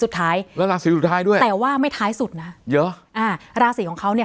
สุดท้ายแล้วราศีสุดท้ายด้วยแต่ว่าไม่ท้ายสุดนะเยอะอ่าราศีของเขาเนี่ย